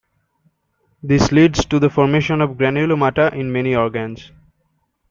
This leads to the formation of granulomata in many organs.